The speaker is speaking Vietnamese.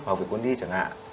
hoặc cái quân đi chẳng hạn